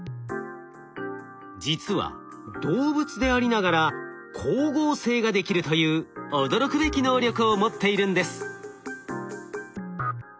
実は動物でありながら光合成ができるという驚くべき能力を持っているんです。